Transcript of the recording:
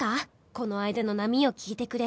この間の『波よ聞いてくれ』」